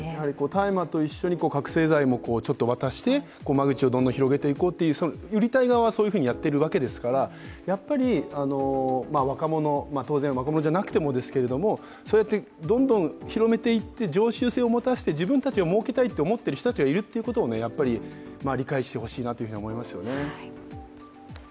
大麻と一緒に覚醒剤もちょっと渡して、マルチをどんどん広げてって売りたい側はそういうふうにやっているわけですから、若者、若者でなくてもですけどそうやってどんどん広めていって常習性を持たせて自分たちがもうけたいと思っている人たちがいるということを理解してほしいですね。